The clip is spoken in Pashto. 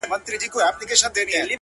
نېټه نېږدې ده